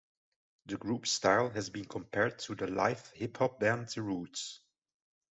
The group style has been compared to the live hip hop band The Roots.